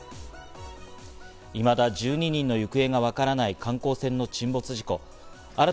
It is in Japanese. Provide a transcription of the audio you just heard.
いまだ１２人の行方がわからない観光船の沈没事故。